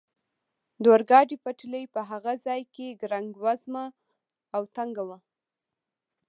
د اورګاډي پټلۍ په هغه ځای کې ګړنګ وزمه او تنګه وه.